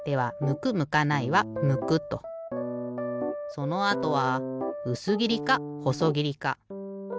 そのあとはうすぎりかほそぎりか？